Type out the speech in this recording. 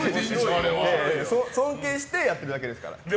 尊敬してやってるだけですから。